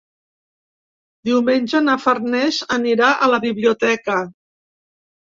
Diumenge na Farners anirà a la biblioteca.